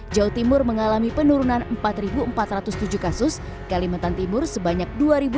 jawa timur mengalami penurunan empat empat ratus tujuh kasus kalimantan timur sebanyak dua sembilan ratus lima puluh sembilan